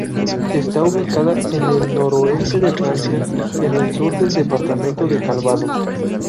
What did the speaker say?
Está ubicada en el noroeste de Francia, en el sur del departamento de Calvados.